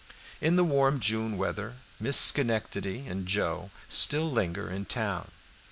In the warm June weather Miss Schenectady and Joe still linger in town.